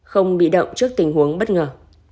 không bị động trước tình huống bất ngờ